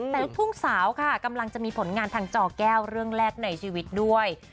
แต่ลูกทุ่งสาวค่ะกำลังจะมีผลงานทางจอแก้วเรื่องแรกในชีวิตด้วย